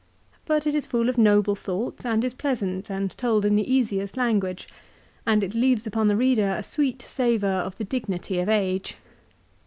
But it is full of noble thoughts and is pleasant, and told in the easiest language ; and it leaves upon the reader a sweet savour of the dignity of age.